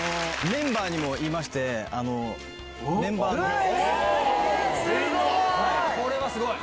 メンバーにも言いまして、すごい。